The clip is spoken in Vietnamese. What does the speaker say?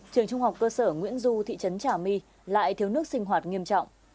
trường trung học cơ sở nguyễn du thị trấn trà my lại thiếu nước sinh hoạt nghiêm trọng